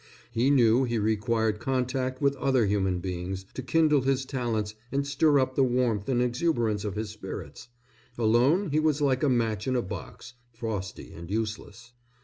He knew he required contact with other human beings to kindle his talents and stir up the warmth and exuberance of his spirits. Alone he was like a match in a box, frosty and useless.